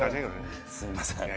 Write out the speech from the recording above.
すいません。